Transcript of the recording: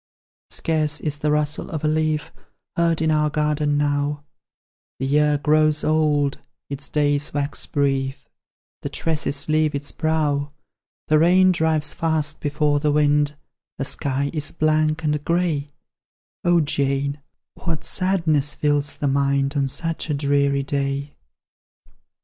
"Scarce is the rustle of a leaf Heard in our garden now; The year grows old, its days wax brief, The tresses leave its brow. The rain drives fast before the wind, The sky is blank and grey; O Jane, what sadness fills the mind On such a dreary day!"